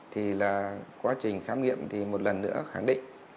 thì là quá trình khám nghiệm thì một lần nữa khẳng định